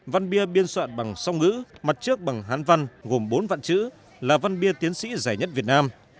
văn bia biên soạn bằng song ngữ mặt trước bằng hán văn gồm bốn vạn chữ là văn bia tiến sĩ giải nhất việt nam